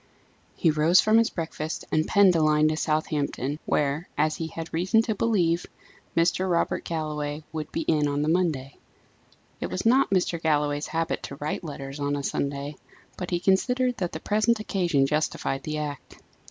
He rose from his breakfast and penned a line to Southampton, where, as he had reason to believe, Mr. Robert Galloway would be on the Monday. It was not Mr. Galloway's habit to write letters on a Sunday, but he considered that the present occasion justified the act.